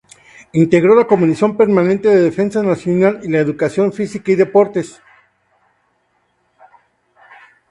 Integró la Comisión Permanente de Defensa Nacional; y la de Educación Física y Deportes.